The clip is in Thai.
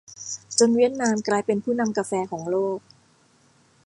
จนเวียดนามกลายเป็นผู้นำกาแฟของโลก